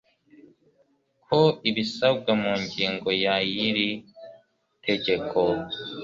ko ibisabwa mu ngingo ya y iri tegeko